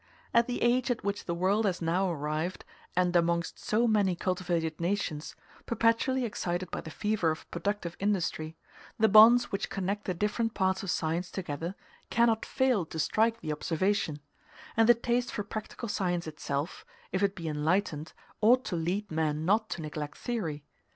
At the age at which the world has now arrived, and amongst so many cultivated nations, perpetually excited by the fever of productive industry, the bonds which connect the different parts of science together cannot fail to strike the observation; and the taste for practical science itself, if it be enlightened, ought to lead men not to neglect theory.